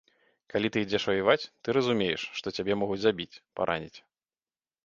Калі ты ідзеш ваяваць, ты разумееш, што цябе могуць забіць, параніць.